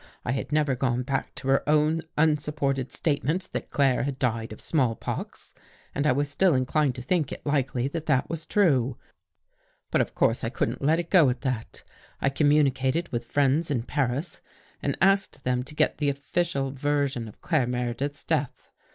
I had never gone back of her own unsupported statement that Claire had died of small pox and I was still inclined to think it likely that that was true. But of course I couldn't let it go at that. I communi cated with friends in Paris and asked them to get the official version of Claire Meredith's death.